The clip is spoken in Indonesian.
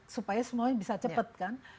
supaya semuanya bisa cepat kan